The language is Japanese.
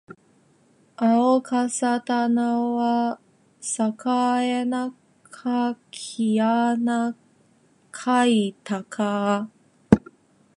あおかさたなはさかえなかきあなかいたかあ